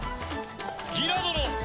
ギラ殿